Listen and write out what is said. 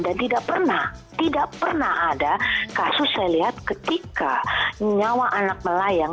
dan tidak pernah tidak pernah ada kasus saya lihat ketika nyawa anak melayang